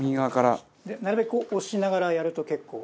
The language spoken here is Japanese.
なるべく押しながらやると結構。